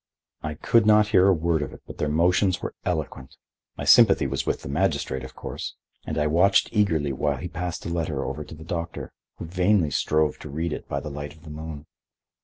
I could not hear a word of it, but their motions were eloquent. My sympathy was with the magistrate, of course, and I watched eagerly while he passed a letter over to the doctor, who vainly strove to read it by the light of the moon.